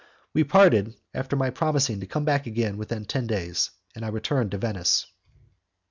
We parted, after my promising to come back again within ten days, and I returned to Venice.